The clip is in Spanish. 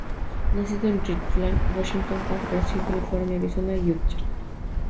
Nacido en Richland, Washington, Card creció en California, Arizona y Utah.